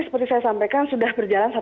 sehingga kesempatan di sana untuk melakukan